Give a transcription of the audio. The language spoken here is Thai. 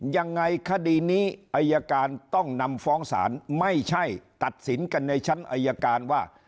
ยังไงคดีนี้อายการต้องนำฟ้องศาลไม่ใช่ตัดสินกันในชั้นอายการว่า